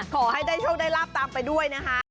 ขอให้ได้โชคได้ลาบตามไปด้วยนะคะ